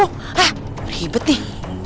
hah berhibet nih